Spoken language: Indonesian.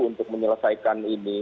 untuk menyelesaikan ini